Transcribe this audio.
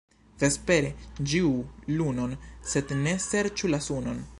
Vespere ĝuu lunon, sed ne serĉu la sunon.